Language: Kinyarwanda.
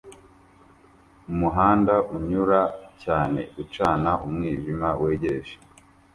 Umuhanda unyura cyane ucana umwijima wegereje